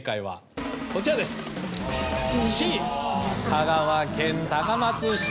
香川県・高松市。